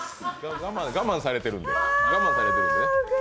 我慢されてるんで。